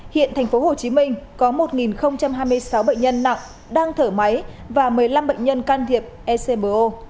hiện thành phố hồ chí minh có một hai mươi sáu bệnh nhân nặng đang thở máy và một mươi năm bệnh nhân can thiệp smo